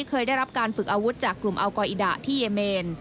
เคยได้รับการฝึกอาวุธจากกลุ่มอัลกออิดะที่เยเมน